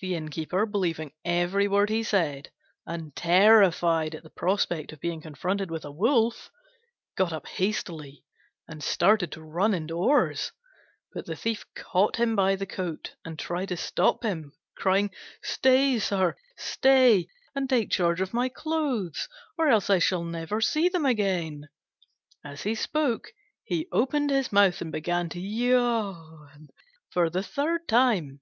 The Innkeeper, believing every word he said, and terrified at the prospect of being confronted with a wolf, got up hastily and started to run indoors; but the Thief caught him by the coat and tried to stop him, crying, "Stay, sir, stay, and take charge of my clothes, or else I shall never see them again." As he spoke he opened his mouth and began to yawn for the third time.